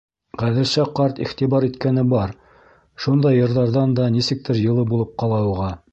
Ғәҙелша ҡарт иғтибар иткәне бар, шундай йырҙарҙан да нисектер йылы булып ҡала уға.